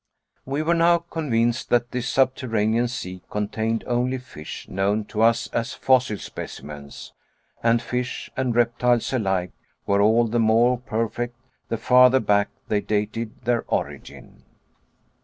We were now convinced that this subterranean sea contained only fish known to us as fossil specimens and fish and reptiles alike were all the more perfect the farther back they dated their origin.